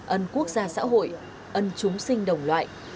ân quốc gia xã hội ân chúng sinh đồng loại